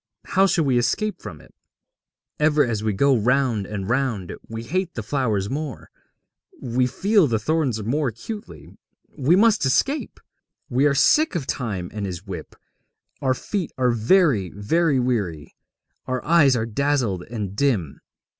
How shall we escape from it? Ever as we go round and round we hate the flowers more, we feel the thorns more acutely. We must escape! We are sick of Time and his whip, our feet are very, very weary, our eyes are dazzled and dim.